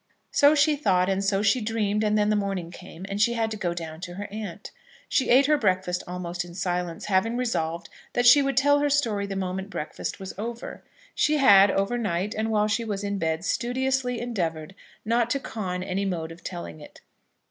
So she thought, and so she dreamed; and then the morning came, and she had to go down to her aunt. She ate her breakfast almost in silence, having resolved that she would tell her story the moment breakfast was over. She had, over night, and while she was in bed, studiously endeavoured not to con any mode of telling it.